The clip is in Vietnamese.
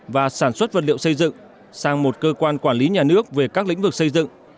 và sản xuất vật liệu xây dựng sang một cơ quan quản lý nhà nước về các lĩnh vực xây dựng